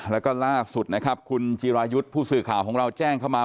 แล้วก็ล่าสุดนะครับคุณจิรายุทธ์ผู้สื่อข่าวของเราแจ้งเข้ามา